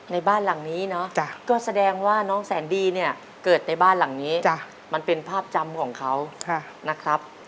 ในบ้านหลังนี้เนาะก็แสดงว่าน้องแสนดีเนี่ยเกิดในบ้านหลังนี้มันเป็นภาพจำของเขานะครับ